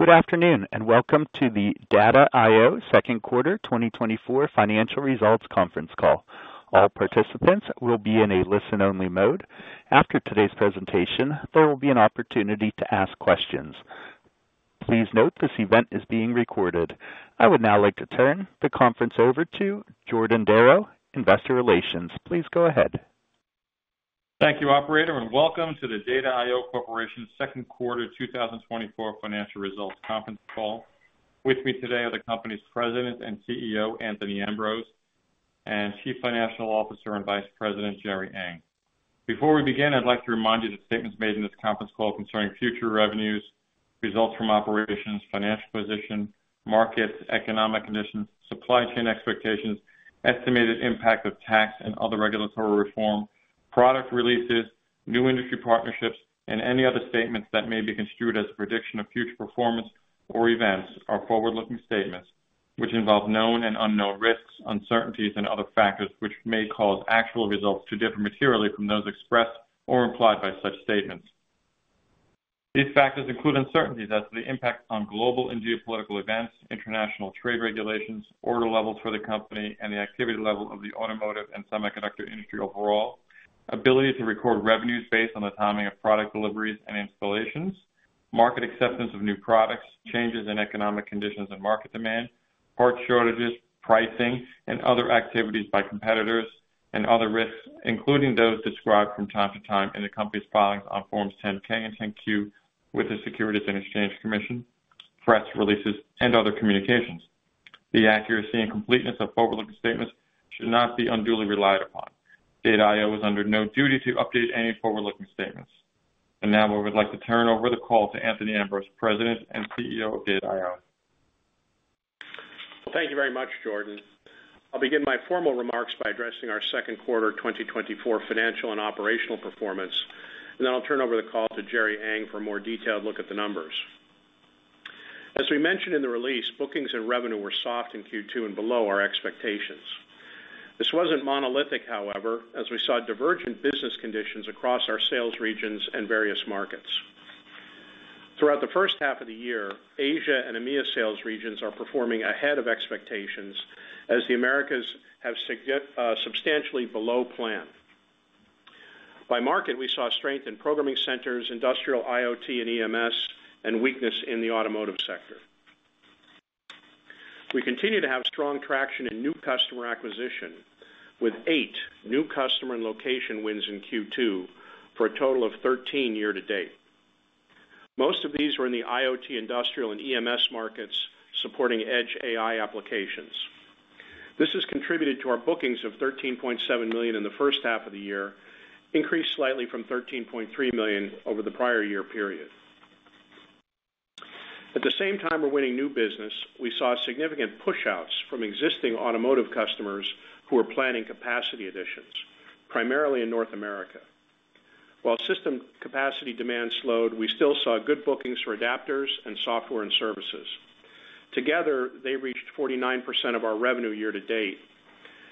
Good afternoon, and welcome to the Data I/O Second Quarter 2024 Financial Results Conference Call. All participants will be in a listen-only mode. After today's presentation, there will be an opportunity to ask questions. Please note this event is being recorded. I would now like to turn the conference over to Jordan Darrow, Investor Relations. Please go ahead. Thank you, operator, and welcome to the Data I/O Corporation Second Quarter 2024 Financial Results Conference Call. With me today are the company's President and CEO, Anthony Ambrose, and Chief Financial Officer and Vice President, Jerry Ng. Before we begin, I'd like to remind you that statements made in this conference call concerning future revenues, results from operations, financial position, markets, economic conditions, supply chain expectations, estimated impact of tax and other regulatory reform, product releases, new industry partnerships, and any other statements that may be construed as a prediction of future performance or events are forward-looking statements, which involve known and unknown risks, uncertainties, and other factors, which may cause actual results to differ materially from those expressed or implied by such statements. These factors include uncertainties as to the impact on global and geopolitical events, international trade regulations, order levels for the company, and the activity level of the automotive and semiconductor industry overall, ability to record revenues based on the timing of product deliveries and installations, market acceptance of new products, changes in economic conditions and market demand, part shortages, pricing and other activities by competitors, and other risks, including those described from time to time in the company's filings on Forms 10-K and 10-Q with the Securities and Exchange Commission, press releases, and other communications. The accuracy and completeness of forward-looking statements should not be unduly relied upon. Data I/O is under no duty to update any forward-looking statements. And now, we would like to turn over the call to Anthony Ambrose, President and CEO of Data I/O. Well, thank you very much, Jordan. I'll begin my formal remarks by addressing our second quarter 2024 financial and operational performance, and then I'll turn over the call to Jerry Ng for a more detailed look at the numbers. As we mentioned in the release, bookings and revenue were soft in Q2 and below our expectations. This wasn't monolithic, however, as we saw divergent business conditions across our sales regions and various markets. Throughout the first half of the year, Asia and EMEA sales regions are performing ahead of expectations as the Americas have substantially below plan. By market, we saw strength in programming centers, industrial, IoT, and EMS, and weakness in the automotive sector. We continue to have strong traction in new customer acquisition, with 8 new customer and location wins in Q2, for a total of 13 year to date. Most of these were in the IoT, industrial, and EMS markets, supporting edge AI applications. This has contributed to our bookings of $13.7 million in the first half of the year, increased slightly from $13.3 million over the prior year period. At the same time we're winning new business, we saw significant pushouts from existing automotive customers who are planning capacity additions, primarily in North America. While system capacity demand slowed, we still saw good bookings for adapters and software and services. Together, they reached 49% of our revenue year to date.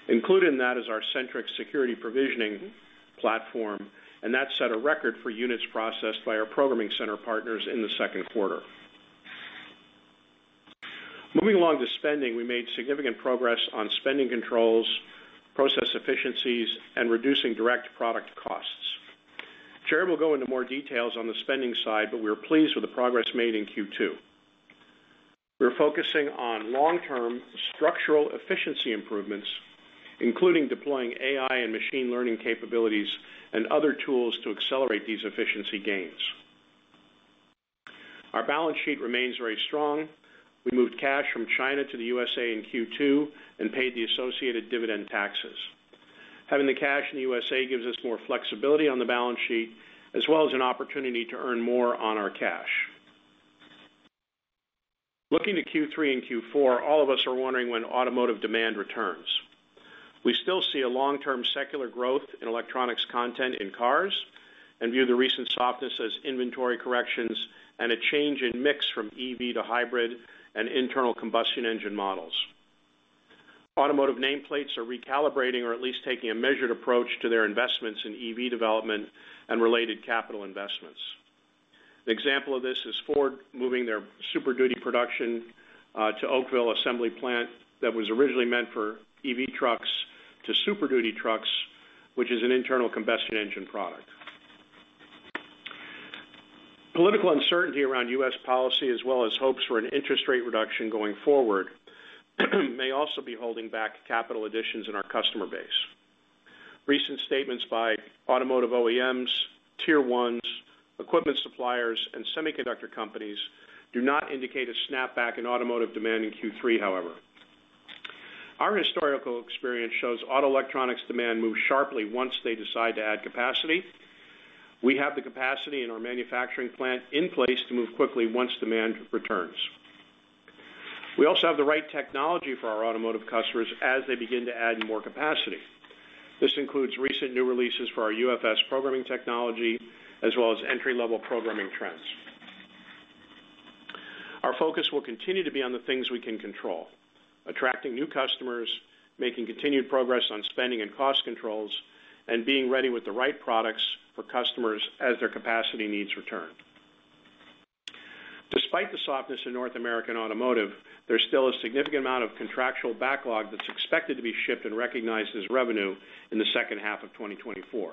Included in that is our SentriX security provisioning platform, and that set a record for units processed by our programming center partners in the second quarter. Moving along to spending, we made significant progress on spending controls, process efficiencies, and reducing direct product costs. Jerry will go into more details on the spending side, but we are pleased with the progress made in Q2. We're focusing on long-term structural efficiency improvements, including deploying AI and machine learning capabilities and other tools to accelerate these efficiency gains. Our balance sheet remains very strong. We moved cash from China to the USA in Q2 and paid the associated dividend taxes. Having the cash in the USA gives us more flexibility on the balance sheet, as well as an opportunity to earn more on our cash. Looking to Q3 and Q4, all of us are wondering when automotive demand returns. We still see a long-term secular growth in electronics content in cars and view the recent softness as inventory corrections and a change in mix from EV to hybrid and internal combustion engine models. Automotive nameplates are recalibrating or at least taking a measured approach to their investments in EV development and related capital investments. An example of this is Ford moving their Super Duty production to Oakville Assembly Plant that was originally meant for EV trucks to Super Duty trucks, which is an internal combustion engine product. Political uncertainty around U.S. policy, as well as hopes for an interest rate reduction going forward, may also be holding back capital additions in our customer base. Recent statements by automotive OEMs, Tier 1s, equipment suppliers, and semiconductor companies do not indicate a snapback in automotive demand in Q3 however. Our historical experience shows auto electronics demand moves sharply once they decide to add capacity. We have the capacity in our manufacturing plant in place to move quickly once demand returns. We also have the right technology for our automotive customers as they begin to add more capacity. This includes recent new releases for our UFS programming technology, as well as entry-level programming trends.... Our focus will continue to be on the things we can control, attracting new customers, making continued progress on spending and cost controls, and being ready with the right products for customers as their capacity needs return. Despite the softness in North American automotive, there's still a significant amount of contractual backlog that's expected to be shipped and recognized as revenue in the second half of 2024.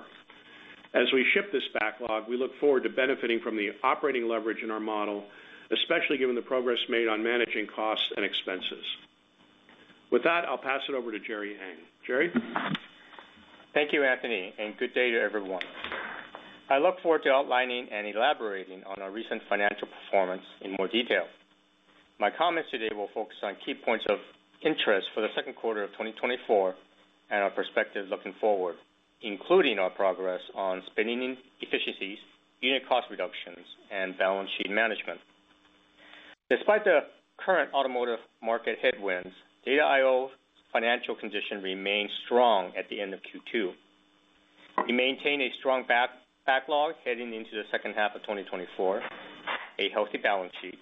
As we ship this backlog, we look forward to benefiting from the operating leverage in our model, especially given the progress made on managing costs and expenses. With that, I'll pass it over to Jerry Ng. Jerry? Thank you, Anthony, and good day to everyone. I look forward to outlining and elaborating on our recent financial performance in more detail. My comments today will focus on key points of interest for the second quarter of 2024, and our perspective looking forward, including our progress on spending efficiencies, unit cost reductions, and balance sheet management. Despite the current automotive market headwinds, Data I/O's financial condition remains strong at the end of Q2. We maintain a strong backlog heading into the second half of 2024, a healthy balance sheet,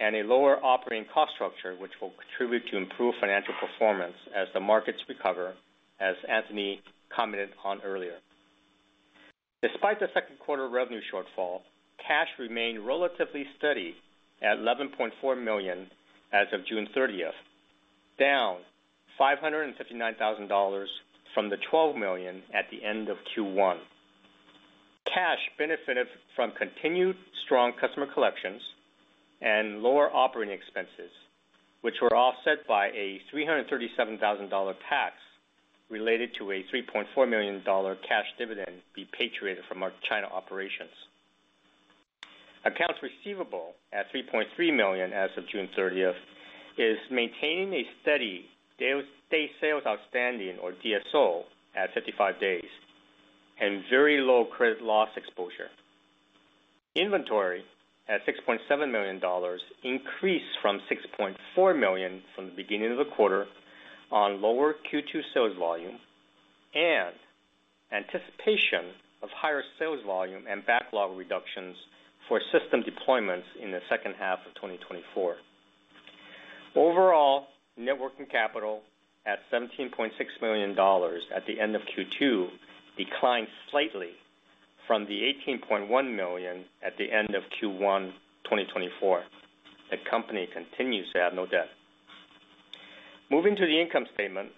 and a lower operating cost structure, which will contribute to improved financial performance as the markets recover, as Anthony commented on earlier. Despite the second quarter revenue shortfall, cash remained relatively steady at $11.4 million as of June thirtieth, down $559,000 from the $12 million at the end of Q1. Cash benefited from continued strong customer collections and lower operating expenses, which were offset by a $337,000 tax related to a $3.4 million cash dividend repatriated from our China operations. Accounts receivable, at $3.3 million as of June thirtieth, is maintaining a steady days sales outstanding, or DSO, at 55 days, and very low credit loss exposure. Inventory, at $6.7 million, increased from $6.4 million from the beginning of the quarter on lower Q2 sales volume and anticipation of higher sales volume and backlog reductions for system deployments in the second half of 2024. Overall, net working capital at $17.6 million at the end of Q2, declined slightly from the $18.1 million at the end of Q1, 2024. The company continues to have no debt. Moving to the income statement.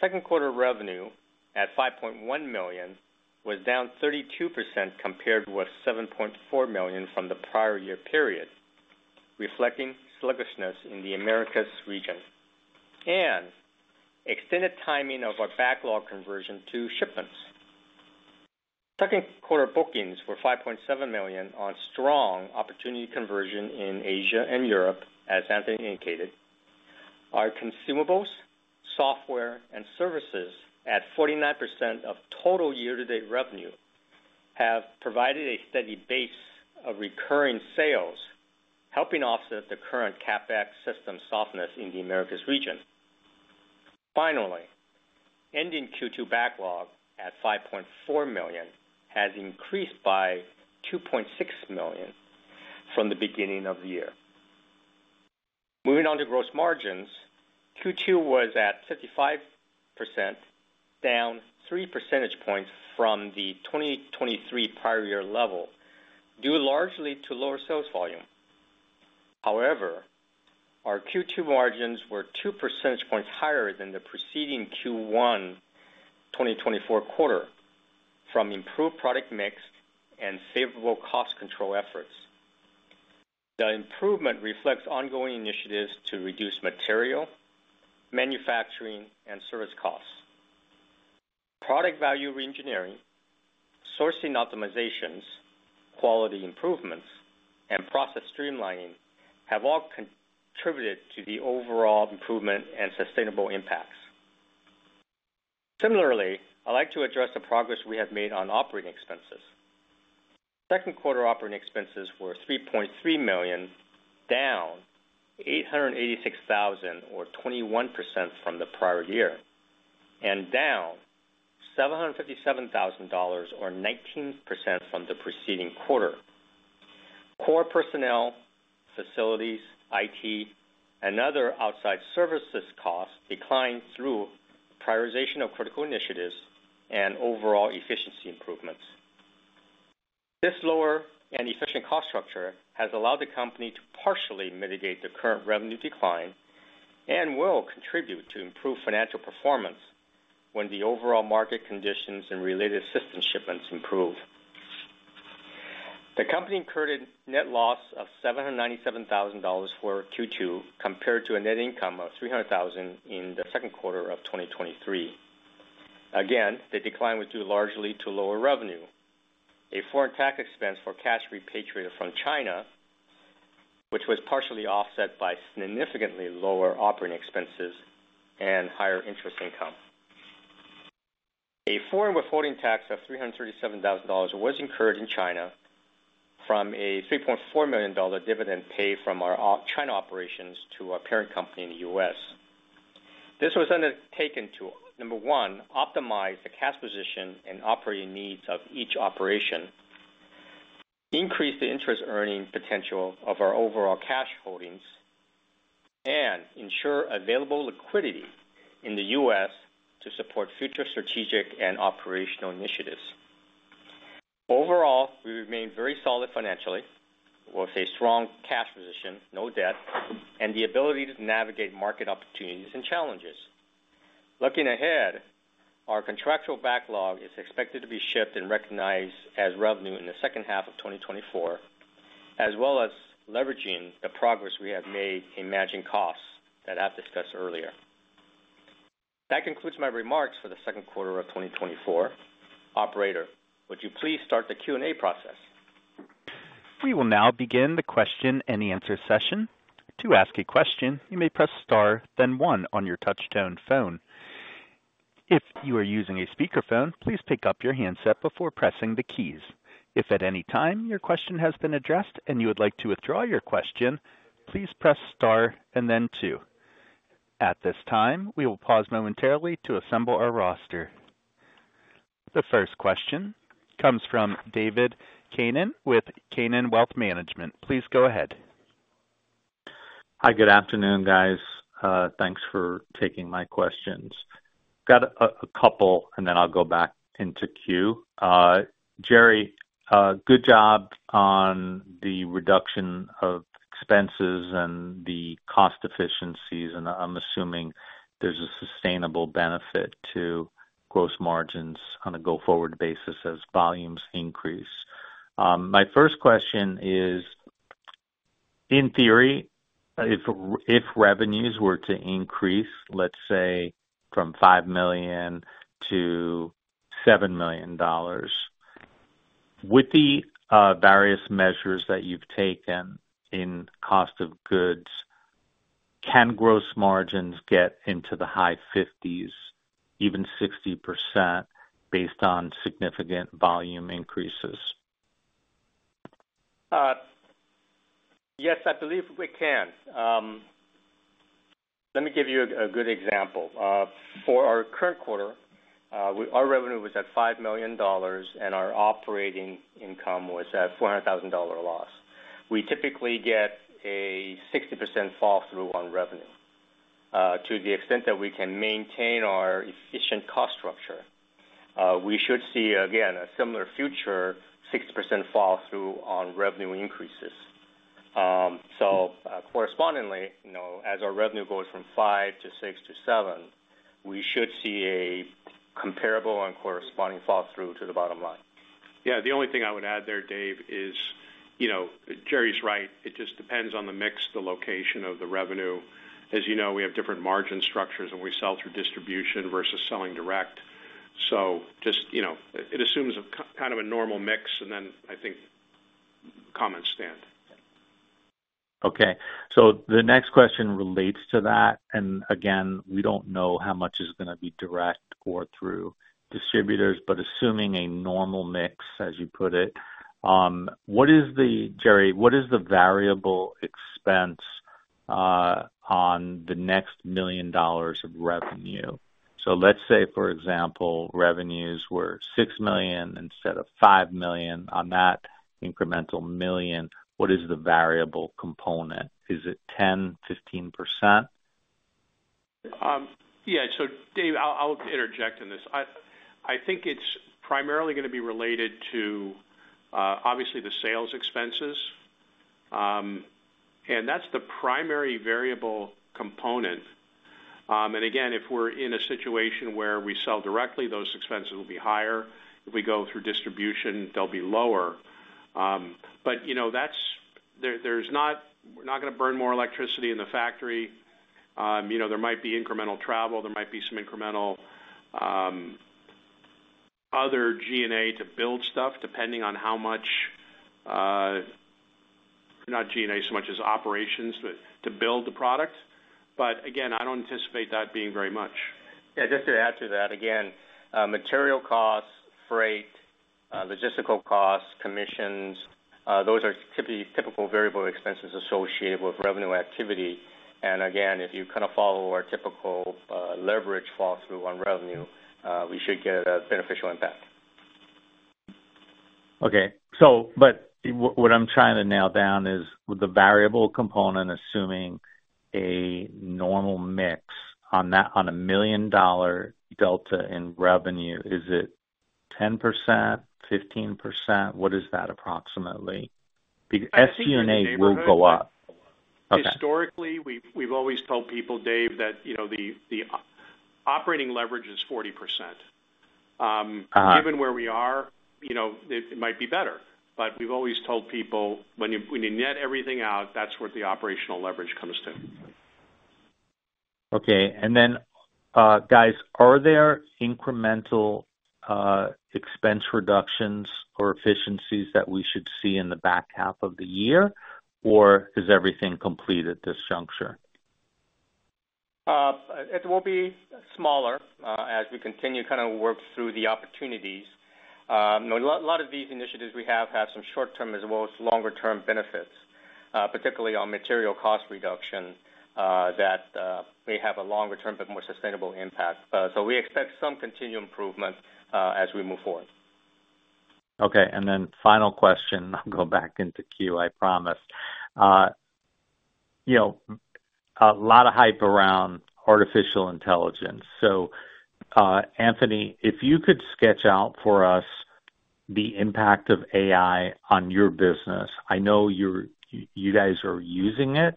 Second quarter revenue, at $5.1 million, was down 32% compared with $7.4 million from the prior year period, reflecting sluggishness in the Americas region and extended timing of our backlog conversion to shipments. Second quarter bookings were $5.7 million on strong opportunity conversion in Asia and Europe, as Anthony indicated. Our consumables, software, and services, at 49% of total year-to-date revenue, have provided a steady base of recurring sales, helping offset the current CapEx system softness in the Americas region. Finally, ending Q2 backlog at $5.4 million has increased by $2.6 million from the beginning of the year. Moving on to gross margins. Q2 was at 55%, down three percentage points from the 2023 prior year level, due largely to lower sales volume. However, our Q2 margins were two percentage points higher than the preceding Q1 2024 quarter, from improved product mix and favorable cost control efforts. The improvement reflects ongoing initiatives to reduce material, manufacturing, and service costs. Product value reengineering, sourcing optimizations, quality improvements, and process streamlining have all contributed to the overall improvement and sustainable impacts. Similarly, I'd like to address the progress we have made on operating expenses. Second quarter operating expenses were $3.3 million, down $886,000, or 21%, from the prior year, and down $757,000, or 19%, from the preceding quarter. Core personnel, facilities, IT, and other outside services costs declined through prioritization of critical initiatives and overall efficiency improvements. This lower and efficient cost structure has allowed the company to partially mitigate the current revenue decline and will contribute to improved financial performance when the overall market conditions and related system shipments improve. The company incurred a net loss of $797,000 for Q2, compared to a net income of $300,000 in the second quarter of 2023. Again, the decline was due largely to lower revenue, a foreign tax expense for cash repatriated from China, which was partially offset by significantly lower operating expenses and higher interest income. A foreign withholding tax of $337,000 was incurred in China from a $3.4 million dividend paid from our China operations to our parent company in the U.S. This was undertaken to, number one, optimize the cash position and operating needs of each operation, increase the interest earning potential of our overall cash holdings, and ensure available liquidity in the US to support future strategic and operational initiatives. Overall, we remain very solid financially, with a strong cash position, no debt, and the ability to navigate market opportunities and challenges. Looking ahead, our contractual backlog is expected to be shipped and recognized as revenue in the second half of 2024, as well as leveraging the progress we have made in managing costs that I've discussed earlier. That concludes my remarks for the second quarter of 2024. Operator, would you please start the Q&A process? We will now begin the question-and-answer session. To ask a question, you may press star, then one on your touchtone phone. If you are using a speakerphone, please pick up your handset before pressing the keys. If at any time your question has been addressed and you would like to withdraw your question, please press star and then two. At this time, we will pause momentarily to assemble our roster. The first question comes from David Keenan with Keenan Wealth Management. Please go ahead. Hi, good afternoon, guys. Thanks for taking my questions. Got a couple, and then I'll go back into queue. Jerry, good job on the reduction of expenses and the cost efficiencies, and I'm assuming there's a sustainable benefit to gross margins on a go-forward basis as volumes increase. My first question is, in theory, if revenues were to increase, let's say, from $5 million-$7 million, with the various measures that you've taken in cost of goods, can gross margins get into the high 50s, even 60%, based on significant volume increases? Yes, I believe we can. Let me give you a good example. For our current quarter, our revenue was at $5 million, and our operating income was at $400,000 loss. We typically get a 60% fall through on revenue. To the extent that we can maintain our efficient cost structure, we should see, again, a similar future, 60% fall through on revenue increases. So, correspondingly, you know, as our revenue goes from five- six-seven, we should see a comparable and corresponding fall through to the bottom line. Yeah, the only thing I would add there, Dave, is, you know, Jerry's right. It just depends on the mix, the location of the revenue. As you know, we have different margin structures, and we sell through distribution versus selling direct. So just, you know, it assumes a kind of a normal mix, and then I think comments stand. Okay, so the next question relates to that, and again, we don't know how much is gonna be direct or through distributors, but assuming a normal mix, as you put it, what is the—Jerry, what is the variable expense on the next $1 million of revenue? So let's say, for example, revenues were $6 million instead of $5 million. On that incremental $1 million, what is the variable component? Is it 10, 15%? Yeah. So Dave, I'll interject on this. I think it's primarily gonna be related to, obviously, the sales expenses, and that's the primary variable component. And again, if we're in a situation where we sell directly, those expenses will be higher. If we go through distribution, they'll be lower. But you know, that's. There's not... We're not gonna burn more electricity in the factory. You know, there might be incremental travel, there might be some incremental other G&A to build stuff, depending on how much, not G&A, so much as operations to build the product. But again, I don't anticipate that being very much. Yeah, just to add to that, again, material costs, freight, logistical costs, commissions, those are typical variable expenses associated with revenue activity. And again, if you kind of follow our typical, leverage fall through on revenue, we should get a beneficial impact. Okay. So but what I'm trying to nail down is, with the variable component, assuming a normal mix on that, on a million-dollar delta in revenue, is it 10%, 15%? What is that, approximately? Because SG&A will go up. Historically, we've always told people, Dave, that, you know, the operating leverage is 40%. Uh-huh. Given where we are, you know, it might be better, but we've always told people, when you net everything out, that's where the operational leverage comes to. Okay. And then, guys, are there incremental expense reductions or efficiencies that we should see in the back half of the year, or is everything complete at this juncture? It will be smaller, as we continue to kind of work through the opportunities. A lot, a lot of these initiatives we have, have some short-term as well as longer-term benefits, particularly on material cost reduction, that may have a longer-term but more sustainable impact. So we expect some continued improvement, as we move forward. Okay, and then final question, I'll go back into queue, I promise. You know, a lot of hype around artificial intelligence. So, Anthony, if you could sketch out for us the impact of AI on your business. I know you're you guys are using it,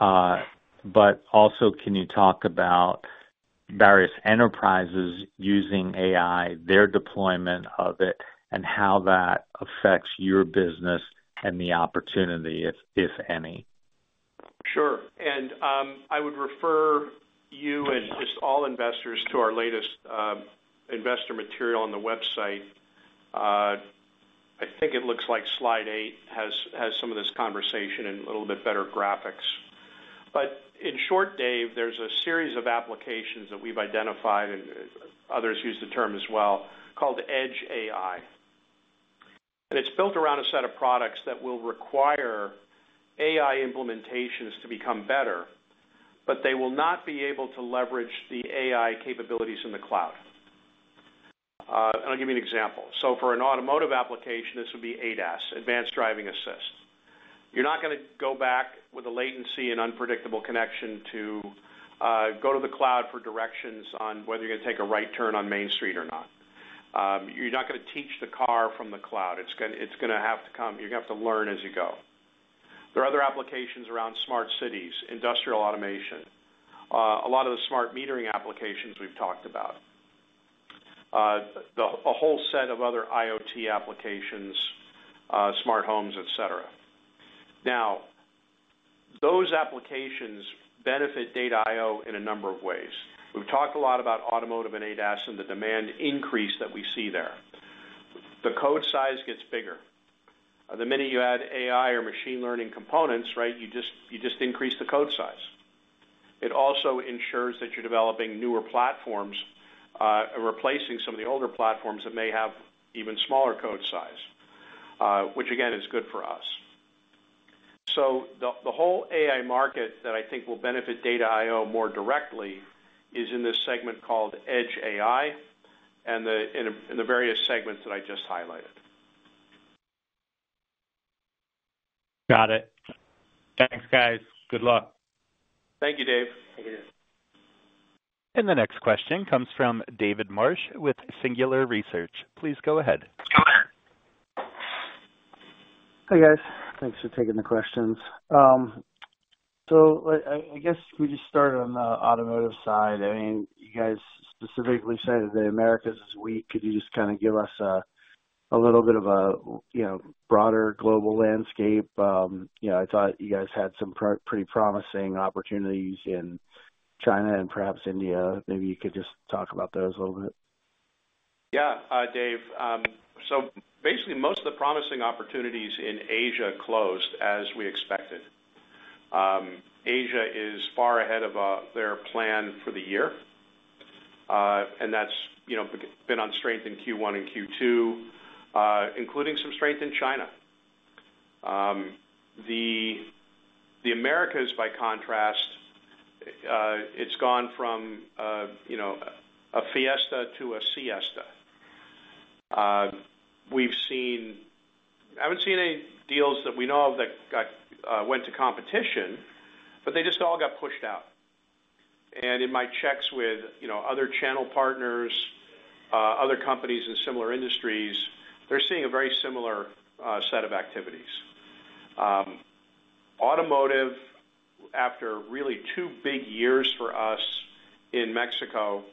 but also, can you talk about various enterprises using AI, their deployment of it, and how that affects your business and the opportunity, if any? Sure. And I would refer you and just all investors to our latest investor material on the website. I think it looks like slide eight has some of this conversation and a little bit better graphics. But in short, Dave, there's a series of applications that we've identified, and others use the term as well, called Edge AI. And it's built around a set of products that will require AI implementations to become better, but they will not be able to leverage the AI capabilities in the cloud. And I'll give you an example. So for an automotive application, this would be ADAS, Advanced Driving Assist. You're not gonna go back with a latency and unpredictable connection to go to the cloud for directions on whether you're gonna take a right turn on Main Street or not. You're not gonna teach the car from the cloud. It's gonna have to come... You're gonna have to learn as you go. There are other applications around smart cities, industrial automation, a lot of the smart metering applications we've talked about, a whole set of other IoT applications, smart homes, et cetera. Now, those applications benefit Data I/O in a number of ways. We've talked a lot about automotive and ADAS and the demand increase that we see there. The code size gets bigger. The minute you add AI or machine learning components, right, you just, you just increase the code size. It also ensures that you're developing newer platforms, replacing some of the older platforms that may have even smaller code size, which again, is good for us. So the whole AI market that I think will benefit Data I/O more directly is in this segment called Edge AI and in the various segments that I just highlighted. Got it. Thanks, guys. Good luck. Thank you, Dave. Thank you. The next question comes from David Marsh with Singular Research. Please go ahead. Hi, guys. Thanks for taking the questions. So I guess we just started on the automotive side. I mean, you guys specifically said that the Americas is weak. Could you just kind of give us a little bit of a, you know, broader global landscape? You know, I thought you guys had some pretty promising opportunities in China and perhaps India. Maybe you could just talk about those a little bit. Yeah, Dave, so basically, most of the promising opportunities in Asia closed as we expected. Asia is far ahead of their plan for the year, and that's, you know, been on strength in Q1 and Q2, including some strength in China. The Americas, by contrast, it's gone from, you know, a fiesta to a siesta. We've seen. I haven't seen any deals that we know of that went to competition, but they just all got pushed out. And in my checks with, you know, other channel partners, other companies in similar industries, they're seeing a very similar set of activities. Automotive, after really two big years for us in Mexico,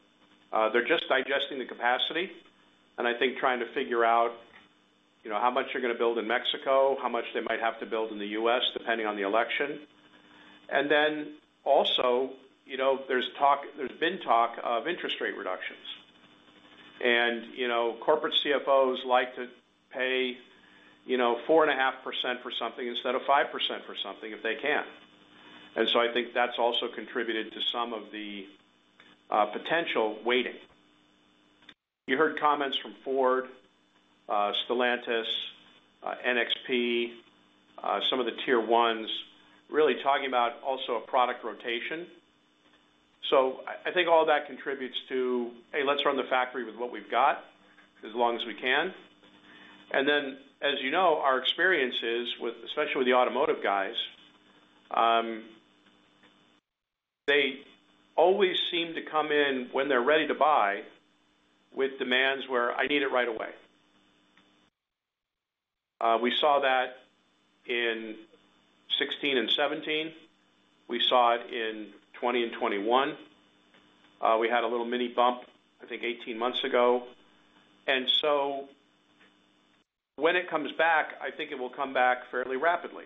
they're just digesting the capacity, and I think trying to figure out, you know, how much they're gonna build in Mexico, how much they might have to build in the U.S., depending on the election. And then also, you know, there's talk-- there's been talk of interest rate reductions. And, you know, corporate CFOs like to pay, you know, 4.5% for something instead of 5% for something if they can. And so I think that's also contributed to some of the potential waiting. You heard comments from Ford, Stellantis, NXP, some of the Tier 1s, really talking about also a product rotation. So I think all that contributes to, "Hey, let's run the factory with what we've got as long as we can." And then, as you know, our experience is with, especially with the automotive guys, they always seem to come in when they're ready to buy, with demands where I need it right away. We saw that in 2016 and 2017. We saw it in 2020 and 2021. We had a little mini bump, I think, 18 months ago. And so when it comes back, I think it will come back fairly rapidly.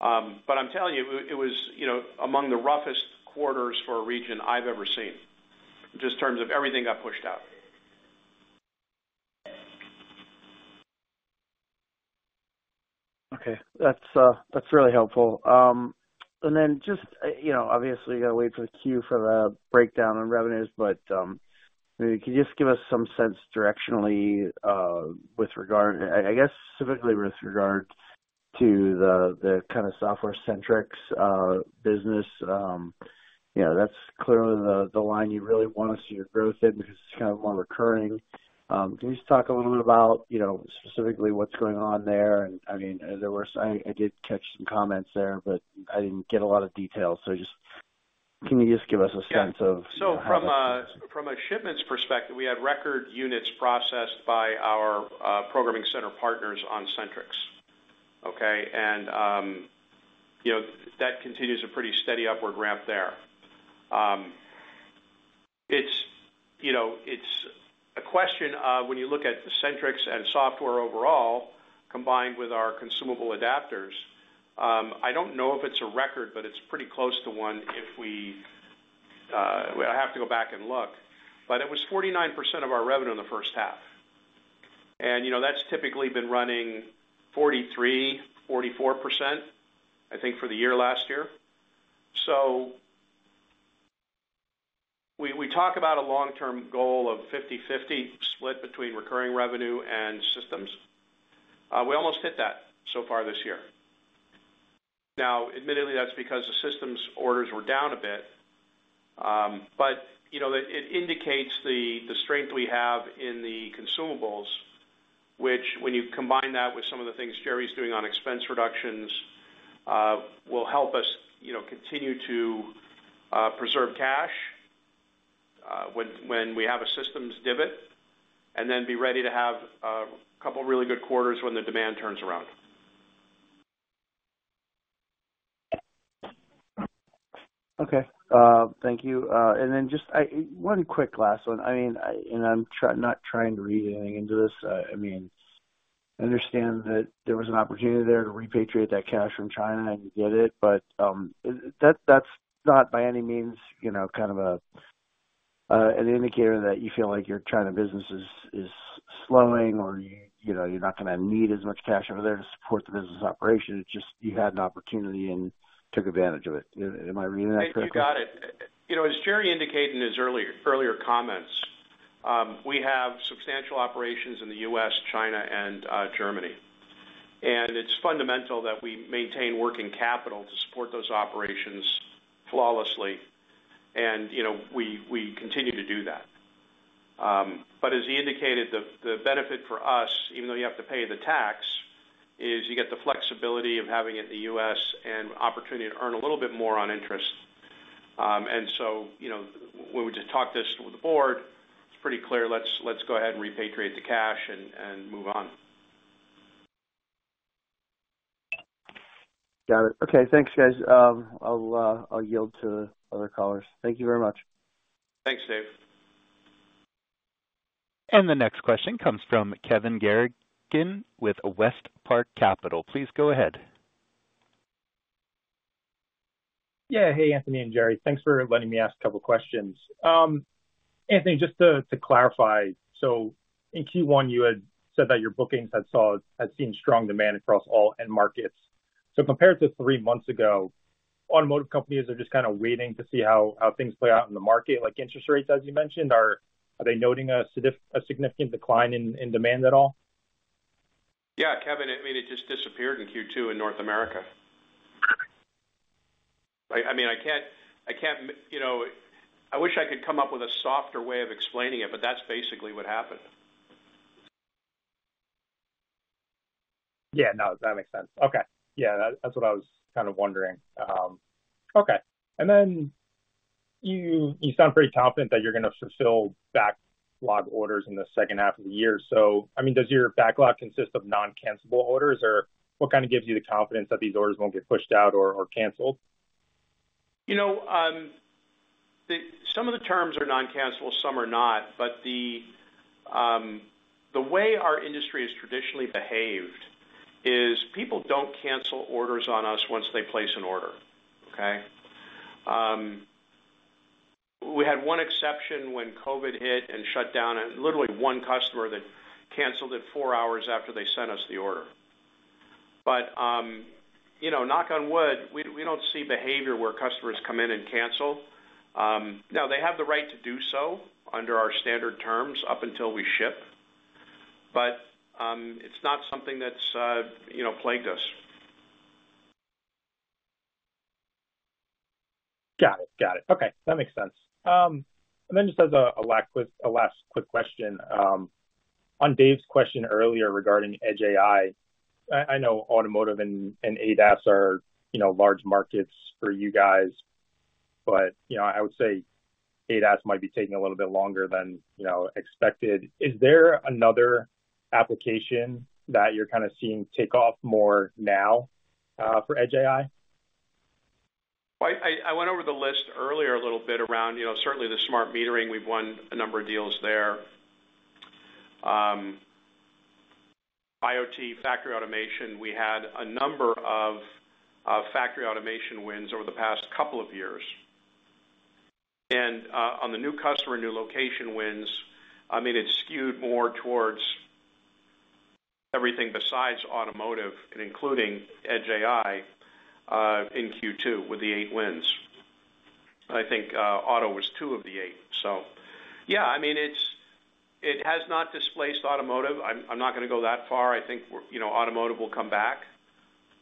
But I'm telling you, it was, you know, among the roughest quarters for a region I've ever seen, just in terms of everything got pushed out. Okay, that's, that's really helpful. And then just, you know, obviously, you gotta wait for the 10-Q for the breakdown on revenues, but, can you just give us some sense directionally, with regard-- I guess, specifically with regard to the kind of software-centric business. You know, that's clearly the line you really want to see your growth in because it's kind of more recurring. Can you just talk a little bit about, you know, specifically what's going on there? And I mean, there were -- I did catch some comments there, but I didn't get a lot of details. So just, can you just give us a sense of- Yeah. So from a shipments perspective, we had record units processed by our programming center partners on SentriX. Okay? And, you know, that continues a pretty steady upward ramp there. It's, you know, it's a question of when you look at the SentriX and software overall, combined with our consumable adapters. I don't know if it's a record, but it's pretty close to one if we... I have to go back and look, but it was 49% of our revenue in the first half. And, you know, that's typically been running 43%, 44%, I think, for the year last year. So we talk about a long-term goal of 50/50 split between recurring revenue and systems. We almost hit that so far this year. Now, admittedly, that's because the systems orders were down a bit. But, you know, it indicates the strength we have in the consumables, which when you combine that with some of the things Jerry's doing on expense reductions, will help us, you know, continue to preserve cash when we have a systems divot, and then be ready to have a couple of really good quarters when the demand turns around. Okay, thank you. And then just one quick last one. I mean, and I'm not trying to read anything into this. I mean, I understand that there was an opportunity there to repatriate that cash from China, and you did it, but that's not by any means, you know, kind of an indicator that you feel like your China business is slowing or, you know, you're not gonna need as much cash over there to support the business operation. It's just you had an opportunity and took advantage of it. Am I reading that correctly? You got it. You know, as Jerry indicated in his earlier comments, we have substantial operations in the U.S., China, and Germany. It's fundamental that we maintain working capital to support those operations flawlessly, and, you know, we continue to do that. But as he indicated, the benefit for us, even though you have to pay the tax, is you get the flexibility of having it in the U.S. and opportunity to earn a little bit more on interest. So, you know, when we just talked this with the board, it's pretty clear, let's go ahead and repatriate the cash and move on. Got it. Okay. Thanks, guys. I'll, I'll yield to other callers. Thank you very much. Thanks, Dave. The next question comes from Kevin Garrigan with West Park Capital. Please go ahead. Yeah. Hey, Anthony and Jerry. Thanks for letting me ask a couple of questions. Anthony, just to clarify, so in Q1, you had said that your bookings had seen strong demand across all end markets. So compared to three months ago, automotive companies are just kinda waiting to see how things play out in the market, like interest rates, as you mentioned, are they noting a significant decline in demand at all? Yeah, Kevin. I mean, it just disappeared in Q2 in North America. I mean, I can't... You know, I wish I could come up with a softer way of explaining it, but that's basically what happened. Yeah. No, that makes sense. Okay. Yeah, that, that's what I was kind of wondering. Okay. And then you, you sound pretty confident that you're gonna fulfill backlog orders in the second half of the year. So, I mean, does your backlog consist of non-cancelable orders? Or what kinda gives you the confidence that these orders won't get pushed out or, or canceled? You know, some of the terms are non-cancelable, some are not. But the way our industry has traditionally behaved is people don't cancel orders on us once they place an order, okay? We had one exception when COVID hit and shut down, literally one customer that canceled it four hours after they sent us the order. But, you know, knock on wood, we don't see behavior where customers come in and cancel. Now they have the right to do so under our standard terms, up until we ship, but, it's not something that's, you know, plagued us. Got it. Got it. Okay, that makes sense. And then just as a last quick, a last quick question, on Dave's question earlier regarding Edge AI. I know automotive and ADAS are, you know, large markets for you guys, but, you know, I would say ADAS might be taking a little bit longer than, you know, expected. Is there another application that you're kinda seeing take off more now, for Edge AI? Well, I went over the list earlier a little bit around, you know, certainly the smart metering. We've won a number of deals there. IoT factory automation, we had a number of factory automation wins over the past couple of years. And, on the new customer, new location wins, I mean, it's skewed more towards everything besides automotive and including Edge AI, in Q2 with the 8 wins. I think, auto was 2 of the 8. So yeah, I mean, it's. It has not displaced automotive. I'm not gonna go that far. I think we're. You know, automotive will come back,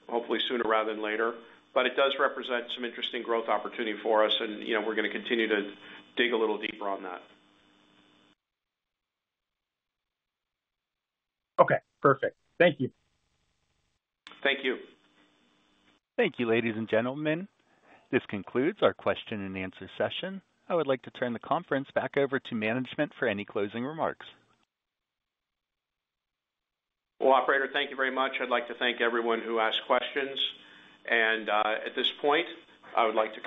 hopefully sooner rather than later, but it does represent some interesting growth opportunity for us, and, you know, we're gonna continue to dig a little deeper on that. Okay, perfect. Thank you. Thank you. Thank you, ladies and gentlemen. This concludes our question and answer session. I would like to turn the conference back over to management for any closing remarks. Well, operator, thank you very much. I'd like to thank everyone who asked questions. And at this point, I would like to-